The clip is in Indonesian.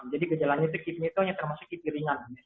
jadi gejalanya itu kipi nya itu hanya termasuk kipi ringan